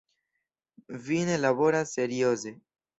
Vi ne laboras serioze.